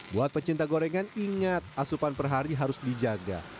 buat pecinta gorengan ingat asupan per hari harus dijaga